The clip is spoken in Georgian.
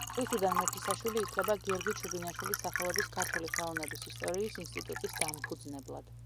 რუსუდან მეფისაშვილი ითვლება გიორგი ჩუბინაშვილის სახელობის ქართული ხელოვნების ისტორიის ინსტიტუტის დამფუძნებლად.